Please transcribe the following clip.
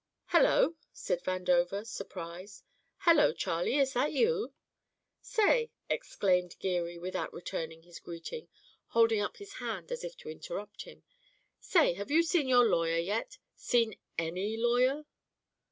"Hello!" said Vandover, surprised. "Hello, Charlie! is that you?" "Say," exclaimed Geary without returning his greeting, holding up his hand as if to interrupt him; "say, have you seen your lawyer yet seen any lawyer?"